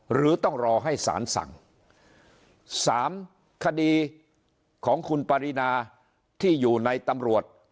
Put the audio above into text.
หรือต้องรอให้สารสั่งสามคดีของคุณปรินาที่อยู่ในตำรวจ